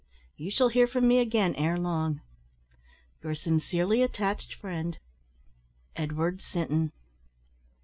You shall hear from me again ere long. "Your sincerely attached friend, "Edward Sinton."